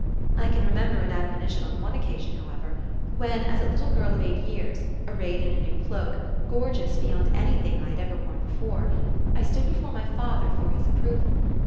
I can remember an admonition on one occasion, however, when, as a little girl of eight years, arrayed in a new cloak, gorgeous beyond anything I had ever worn before, I stood before my father for his approval.